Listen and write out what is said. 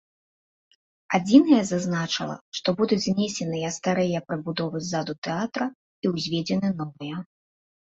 Адзінае зазначыла, што будуць знесеныя старыя прыбудовы ззаду тэатра і ўзведзены новыя.